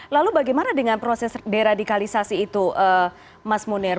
lalu bagaimana dengan proses deradikalisasi itu mas munir